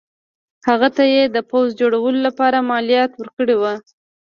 هغه ته یې د پوځ جوړولو لپاره مالیات ورکړي وو.